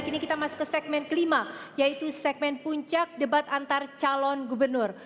kini kita masuk ke segmen kelima yaitu segmen puncak debat antar calon gubernur